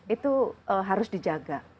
itu harus dijaga